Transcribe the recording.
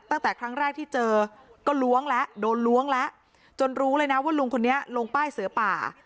ตั้งแต่ครั้งแรกที่เจอก็ล้วงแล้วโดนล้วงแล้วจนรู้เลยนะว่าลุงคนนี้ลงป้ายเสือป่า